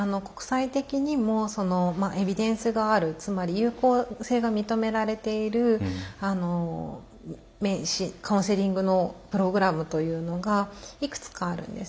国際的にもエビデンスがあるつまり有効性が認められているカウンセリングのプログラムというのがいくつかあるんですね。